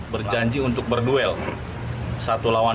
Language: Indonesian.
berjanji untuk berduel satu lawan satu yang mana lokasinya ada di wilayah ciampea